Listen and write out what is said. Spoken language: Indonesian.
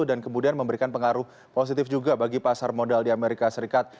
dan kemudian memberikan pengaruh positif juga bagi pasar modal di amerika serikat